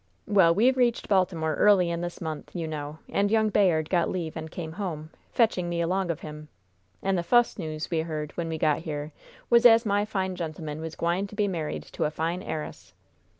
"Well, we reached Baltimore early in this month, you know, and young Bayard got leave and came home, fetching me along of him. And the fust news as we heard when we got here was as my fine gentleman was gwine to be married to a fine heiress.